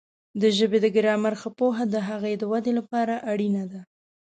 د ژبې د ګرامر ښه پوهه د هغې د وده لپاره اړینه ده.